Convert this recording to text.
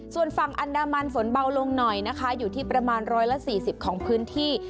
ส่วนฝั่งอันดามันฝนเบาลงหน่อยนะคะอยู่ที่ประมาณ๑๔๐ของพื้นที่